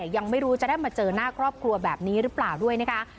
ยังไม่รู้จะได้มาเจอหน้าครอบครัวแบบนี้หรือเปล่าด้วยนะคะ